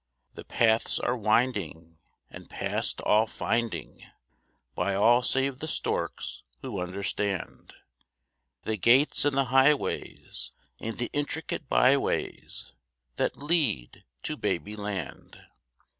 The paths are winding and past all finding, By all save the storks who understand The gates and the highways and the intricate byways That lead to Babyland.